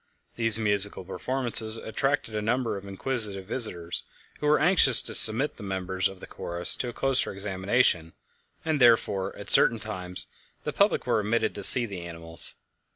These musical performances attracted a number of inquisitive visitors, who were anxious to submit the members of the chorus to a closer examination, and therefore, at certain times, the public were admitted to see the animals.